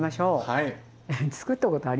はい。